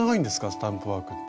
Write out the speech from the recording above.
スタンプワークって。